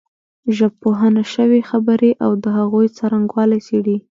ژبپوهنه شوې خبرې او د هغوی څرنګوالی څېړي